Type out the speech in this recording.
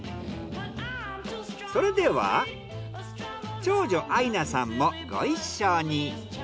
それでは長女愛夏さんもご一緒に。